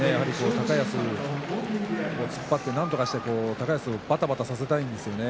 高安を突っ張ってなんとかして高安をばたばたさせたいんですよね。